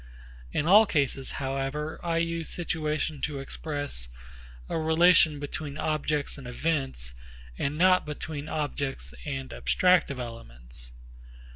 In all cases however I use situation to express a relation between objects and events and not between objects and abstractive elements.